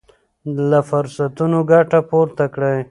له فرصتونو ګټه پورته کړئ.